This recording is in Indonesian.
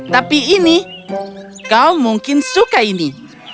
tapi ini kau mungkin suka ini